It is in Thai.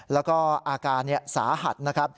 และอาการสาหัด